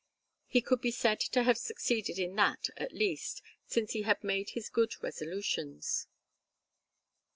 He could be said to have succeeded in that, at least, since he had made his good resolutions.